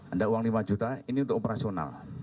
anda uang lima juta ini untuk operasional